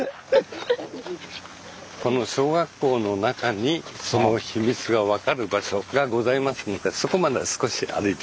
この小学校の中にその秘密が分かる場所がございますのでそこまで少し歩いて。